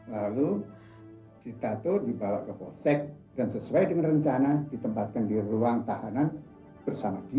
lalu cita itu dibawa ke polsek dan sesuai dengan rencana ditempatkan di ruang tahanan bersama dia